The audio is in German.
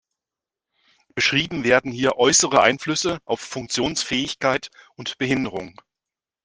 Beschrieben werden hier äußere Einflüsse auf Funktionsfähigkeit und Behinderung.